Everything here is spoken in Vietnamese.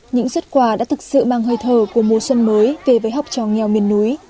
những xuất quà đã thực sự mang hơi thở của mùa xuân mới về với học trò nghèo miền núi